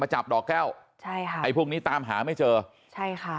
จับดอกแก้วใช่ค่ะไอ้พวกนี้ตามหาไม่เจอใช่ค่ะ